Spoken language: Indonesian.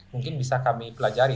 mungkin bisa kami pelajari